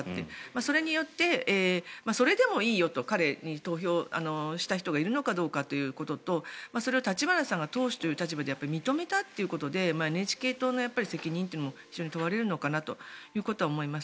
それによって、それでもいいよと彼に投票した人がいるのかどうかということとそれを立花さんが党首という立場で認めたということでＮＨＫ党の責任というのも非常に問われるのかなということは思います。